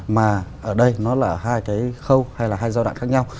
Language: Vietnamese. mà ở đây nó là hai cái khâu hay là hai giai đoạn khác nhau